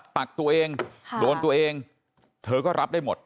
ปักตัวเองโดนตัวเองเธอก็รับได้หมด